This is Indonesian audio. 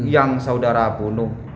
yang saudara bunuh